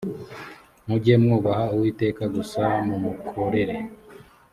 mujye mwubaha uwiteka gusa mumukorere